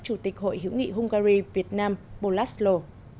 chủ tịch hội hữu nghị hungary việt nam bolaszlo